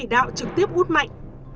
cảm ơn các bạn đã theo dõi